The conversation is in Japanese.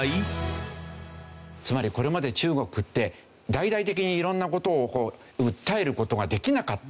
つまりこれまで中国って大々的に色んな事を訴える事ができなかった。